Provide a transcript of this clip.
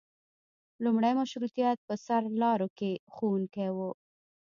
لومړي مشروطیت په سرلارو کې ښوونکي وو.